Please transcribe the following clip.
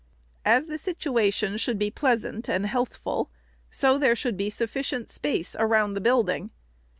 " As the situation should be pleasant and healthful, so there should be sufficient space around the building.